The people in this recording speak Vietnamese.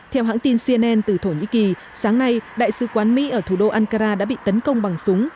theo hãng tin cnn từ thổ nhĩ kỳ sáng nay đại sứ quán mỹ ở thủ đô ankara đã bị tấn công bằng súng